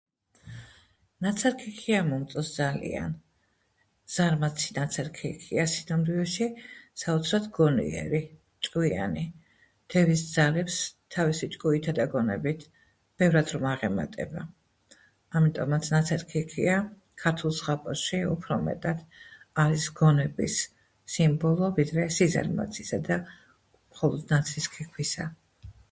ნაცარქექია მომწონს ძალიან. ზარმაცი ნაცარქექია. სინამდვილეში საოცრად გონიერი, ჭკვიანი დევის ძალებს თავისი ჭკუითა და გონებით ბევრად რომ აღემატება. ამიტომაც, ნაცარქექია ქართულ ზღაპარში უფრო მეტად არის გონების სიმბოლო ვიდრე სიზარმაცისა და მხოლოდ ნაცრის ქექვისა.